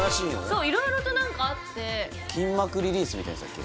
そう色々と何かあって筋膜リリースみたいなやつだっけ？